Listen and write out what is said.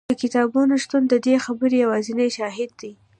د کتابتون شتون د دې خبرې یوازینی شاهد دی.